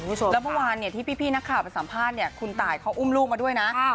นั่นแหละคุณผู้ชมก็เลยมีกระแสข่าวอย่างนี้เกิดขึ้นมา